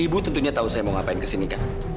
ibu tentunya tahu saya mau ngapain kesini kak